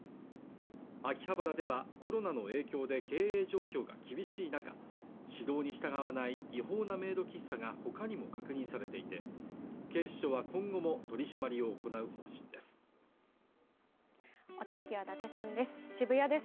秋葉原ではコロナの影響で経営状況が厳しい中指導に従わない違法なメイド喫茶がほかにも確認されていて警視庁は今後も取り締まりを行う方針です